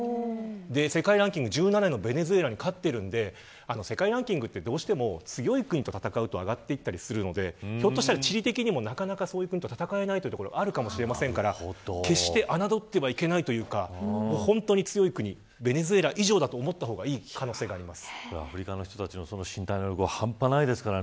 世界ランキング１７位のベネズエラに勝っているんで世界ランキングってどうしても強い国と戦うと上がっていくんでひょっとしたら、地理的にもなかなかそういう国と戦えないというのはあるかもしれませんが決して、侮ってはいけないというか、本当に強い国ベネズエラ以上だと思った方がいい可能性があります。